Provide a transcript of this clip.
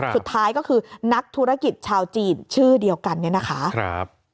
สุดท้ายก็คือนักธุรกิจชาวจีนชื่อเดียวกันเนี่ยนะคะ